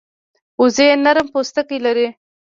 وزې نرم پوستکی لري